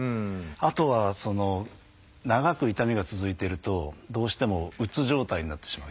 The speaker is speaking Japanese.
あとは長く痛みが続いてるとどうしてもうつ状態になってしまう。